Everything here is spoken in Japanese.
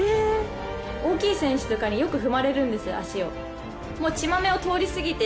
大きい選手とかによく踏まれるんです足を。